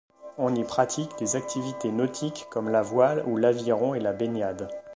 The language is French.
On y pratique des activités nautiques comme la voile ou l'aviron et la baignade.